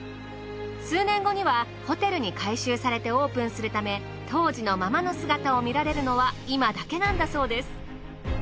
数年後にはホテルに改修されてオープンするため当時のままの姿を見られるのは今だけなんだそうです。